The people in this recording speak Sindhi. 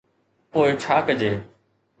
پوءِ ڇا ڪجي؟